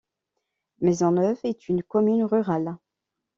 Maisonneuve est une commune rurale.